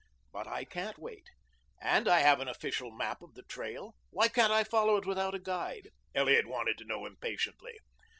"But I can't wait. And I have an official map of the trail. Why can't I follow it without a guide?" Elliot wanted to know impatiently.